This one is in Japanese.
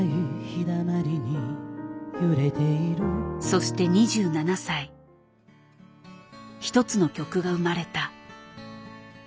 そして２７歳一つの曲が生まれた。